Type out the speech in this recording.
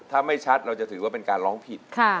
ถ้าไม่ชัดเราจะถือว่าเป็นการร้องผิด